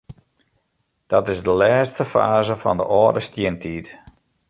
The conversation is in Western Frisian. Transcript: Dat is de lêste faze fan de âlde stientiid.